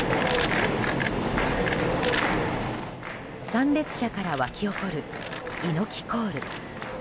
参列者から沸き起こる猪木コール。